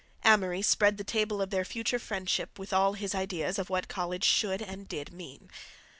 Amory spread the table of their future friendship with all his ideas of what college should and did mean.